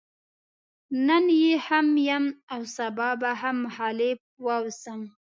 نن يې هم يم او سبا به هم مخالف واوسم.